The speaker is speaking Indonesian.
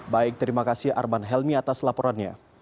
baik terima kasih arman helmi atas laporannya